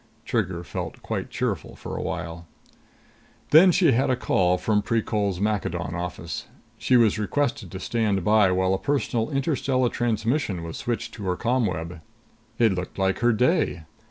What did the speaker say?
Trigger felt quite cheerful for a while. Then she had a call from Precol's Maccadon office. She was requested to stand by while a personal interstellar transmission was switched to her ComWeb. It looked like her day!